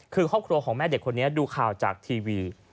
คือครอบครัวของแม่เด็กคนนี้ดูข่าวจากทีวี